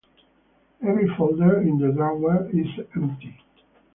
Every folder in the drawer is empty.